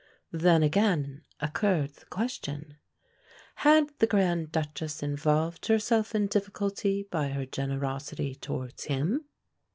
Then again occurred the question, had the Grand Duchess involved herself in difficulty by her generosity towards him?